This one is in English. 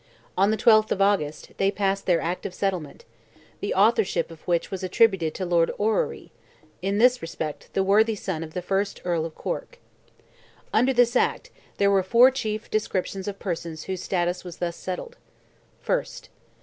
On the 12th of August, they passed their Act of Settlement, the authorship of which was attributed to Lord Orrery, in this respect the worthy son of the first Earl of Cork. Under this Act, there were four chief descriptions of persons whose status was thus settled: 1st.